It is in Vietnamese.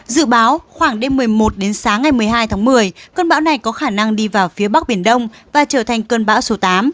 dự báo khoảng đêm một mươi một đến sáng ngày một mươi hai tháng một mươi cơn bão này có khả năng đi vào phía bắc biển đông và trở thành cơn bão số tám